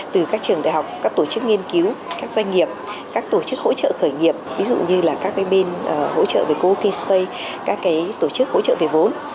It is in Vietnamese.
từ các trường đại học các tổ chức nghiên cứu các doanh nghiệp các tổ chức hỗ trợ khởi nghiệp ví dụ như là các bên hỗ trợ về co oking space các tổ chức hỗ trợ về vốn